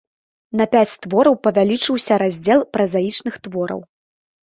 На пяць твораў павялічыўся раздзел празаічных твораў.